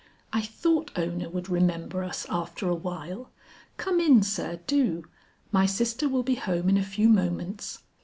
I thought Ona would remember us after a while. Come in sir, do, my sister will be home in a few moments."